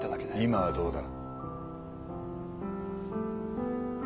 今はどうだ？